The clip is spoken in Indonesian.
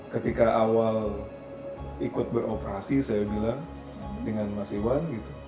ketika awal ikut beroperasi saya bilang dengan mas iwan